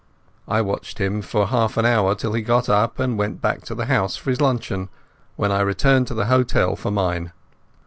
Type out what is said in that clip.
I watched him for half an hour, till he got up and went back to the house for his luncheon, when I returned to the hotel for mine.